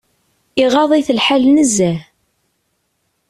Iɣaḍ-it lḥal nezzeh.